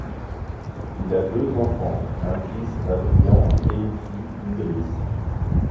Il a deux enfants, un fils, Adrian, et une fille, Idris.